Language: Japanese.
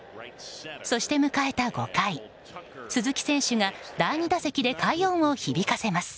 そして迎えた５回鈴木選手が第２打席で快音を響かせます。